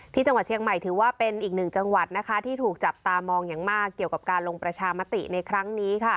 ที่จังหวัดเชียงใหม่ถือว่าเป็นอีกหนึ่งจังหวัดนะคะที่ถูกจับตามองอย่างมากเกี่ยวกับการลงประชามติในครั้งนี้ค่ะ